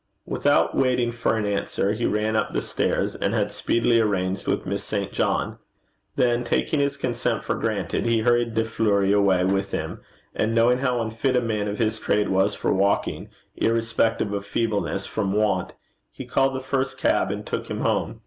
Without waiting for an answer, he ran up the stairs, and had speedily arranged with Miss St. John. Then taking his consent for granted, he hurried De Fleuri away with him, and knowing how unfit a man of his trade was for walking, irrespective of feebleness from want, he called the first cab, and took him home.